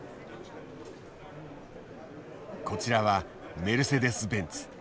こちらはメルセデス・ベンツ。